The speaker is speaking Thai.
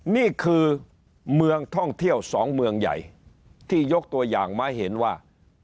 นี่คือเมืองท่องเที่ยวสองเมืองใหญ่ที่ยกตัวอย่างมาเห็นว่า